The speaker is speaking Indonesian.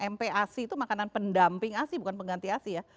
mpasi itu makanan pendamping asi bukan pengganti asi ya